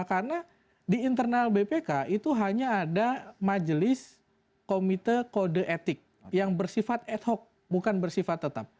karena di internal bpk itu hanya ada majelis komite kode etik yang bersifat ad hoc bukan bersifat tetap